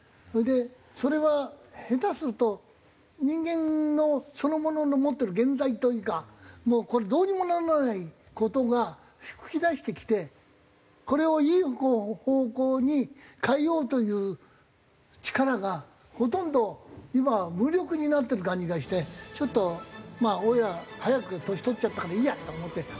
それでそれは下手すると人間のそのものの持ってる原罪というかこれどうにもならない事が噴き出してきてこれをいい方向に変えようという力がほとんど今は無力になってる感じがしてちょっとまあおいら早く年取っちゃったからいいやと思って。